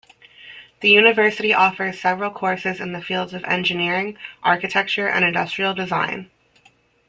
The university offers several courses in the fields of Engineering, Architecture and Industrial Design.